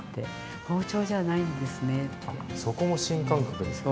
そこも新感覚ですね。